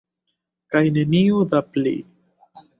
Kaj neniu da pli.